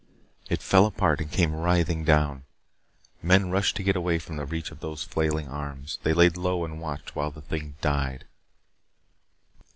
It fell apart and came writhing down. Men rushed to get away from the reach of those flailing arms. They laid low and watched while the thing died.